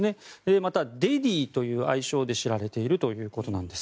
また、デディという愛称でも知られているということです。